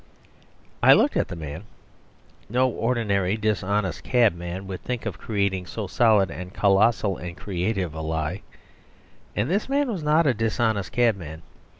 I looked at the man. No ordinary dishonest cabman would think of creating so solid and colossal and creative a lie. And this man was not a dishonest cabman.